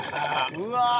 うわ。